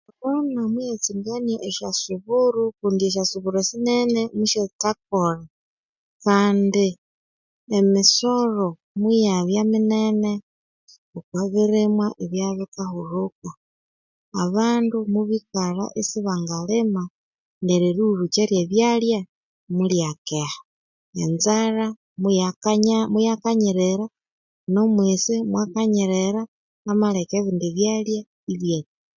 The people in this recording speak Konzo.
Ekorona muyatsingamya esyo suburu kundi esyasuburu esinene musyathukabuholho kandi emisolho muyabya minene okwabirimwa ebyabya bikahulhuka abandu mubikalha isibangalima neryo berihulhukya erye byalya mulyakeha enzalha muyakanya muyakanyirira nomwisi mwakanyirira amaleka ebindi byalya ibyakwa